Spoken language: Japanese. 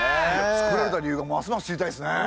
造られた理由がますます知りたいですね。